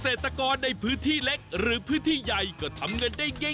เศรษฐกรในพื้นที่เล็กหรือพื้นที่ใหญ่ก็ทำเงินได้ง่าย